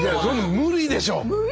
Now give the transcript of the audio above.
無理でしょ。